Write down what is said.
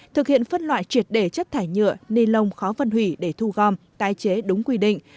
thực hiện phân loại triệt để chất thải nhựa ni lông khó vân hủy để thu gom tái chế đúng quy định